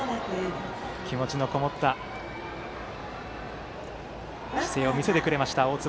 気持ちのこもった姿勢を見せてくれました大坪。